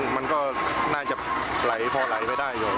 มันก็น่าจะไหลพอไหลไปได้อยู่